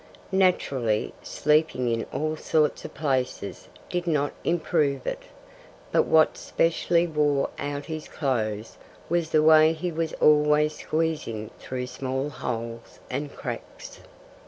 Naturally, sleeping in all sorts of places did not improve it. But what specially wore out his clothes was the way he was always squeezing through small holes and cracks.